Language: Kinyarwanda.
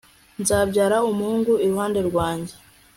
nzabyara umuhungu iruhande rwanjye